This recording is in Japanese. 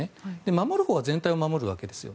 守るほうは全体を守るんですね。